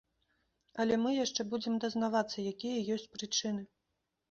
Але мы яшчэ будзем дазнавацца, якія ёсць прычыны.